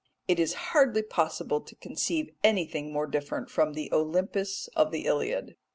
It is hardly possible to conceive anything more different from the Olympus of the Iliad.